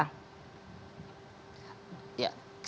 ya sejauh ini asal asal saya melihatnya seperti apa eva